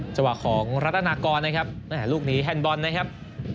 จังหวะของรัฐนากรนะครับลูกนี้แฮนดบอลนะครับ